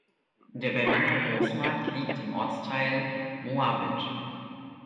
Der Berliner Großmarkt liegt im Ortsteil Moabit.